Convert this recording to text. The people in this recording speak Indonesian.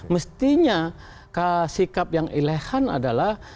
mestinya sikap yang elehan adalah